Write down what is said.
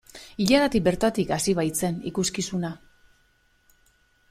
Ilaratik bertatik hasi baitzen ikuskizuna.